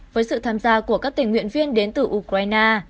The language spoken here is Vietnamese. với sự tham gia của các tình nguyện viên đến từ ukraine